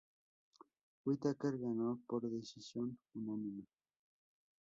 Whitaker ganó por decisión unánime.